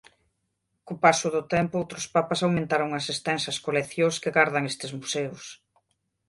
Co paso do tempo outros papas aumentaron as extensas coleccións que gardan estes museos.